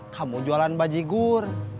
kamu jualan bajigur